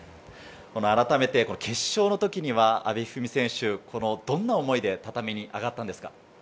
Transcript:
改めて決勝の時には阿部一二三選手、どんな思いで畳に上がったんですか？